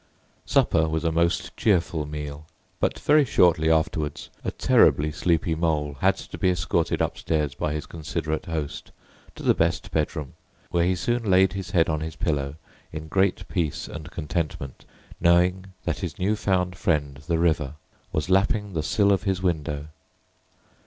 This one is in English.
Supper was a most cheerful meal; but very shortly afterwards a terribly sleepy Mole had to be escorted upstairs by his considerate host, to the best bedroom, where he soon laid his head on his pillow in great peace and contentment, knowing that his new found friend the River was lapping the sill of his window.